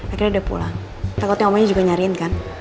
akhirnya udah pulang takutnya omanya juga nyariin kan